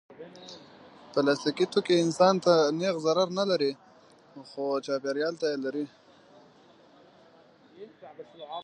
پلاستيکي توکي انسان ته نېغ ضرر نه لري، خو چاپېریال ته لري.